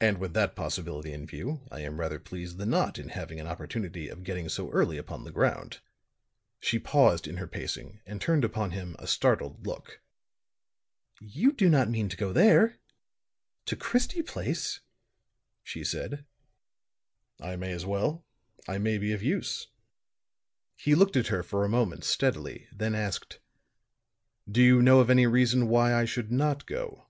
"And with that possibility in view, I am rather pleased than not in having an opportunity of getting so early upon the ground." She paused in her pacing, and turned upon him a startled look. "You do not mean to go there to Christie Place," she said. [Illustration: "YOU DO NOT MEAN TO GO THERE" ] "I may as well. I may be of use." He looked at her for a moment steadily, then asked: "Do you know of any reason why I should not go?"